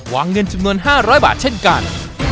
เงินจำนวน๕๐๐บาทเช่นกัน